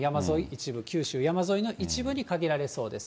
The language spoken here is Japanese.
一部、九州山沿いの一部に限られそうです。